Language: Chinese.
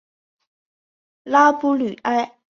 拉布吕埃。